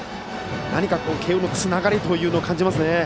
何か慶応のつながりというのを感じますね。